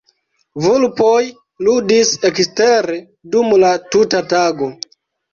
Vulpoj ludis ekstere dum la tuta tago.